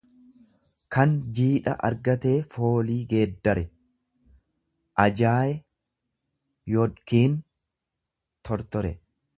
kan jiidha argatee foolii geeddare, ajaaye yodkiin tortore.